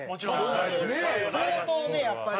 相当ね、やっぱり。